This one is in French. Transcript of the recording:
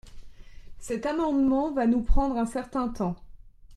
Cet amendement va nous prendre un certain temps.